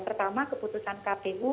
pertama keputusan kpu